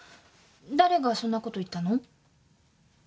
誰がそんなこと言ったの？